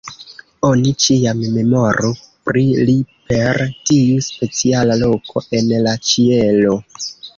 Oni ĉiam memoru pri li per tiu speciala loko en la ĉielo.